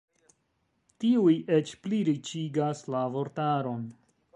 Tiuj eĉ pli riĉigas la vortaron.